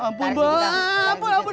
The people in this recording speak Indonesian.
ampun bu ampun ampun